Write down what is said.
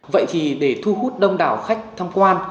vậy thì để thu hút đông đảo khách tham quan